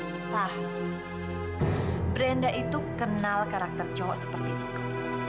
pak brenda itu kenal karakter cowok seperti riko